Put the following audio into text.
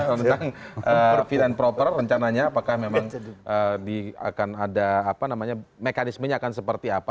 tentang fit and proper rencananya apakah memang akan ada mekanismenya akan seperti apa